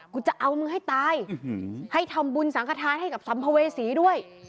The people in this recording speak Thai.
กูจะเอามึงให้ตายให้ทำบุญสังขทานให้กับสัมภเวษีด้วย